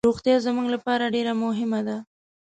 روغتیا زموږ لپاره ډیر مهمه ده.